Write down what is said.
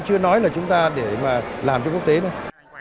chưa nói là chúng ta để mà làm cho quốc tế này